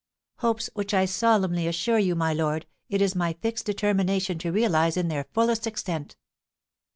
"Hopes which I solemnly assure you, my lord, it is my fixed determination to realise in their fullest extent."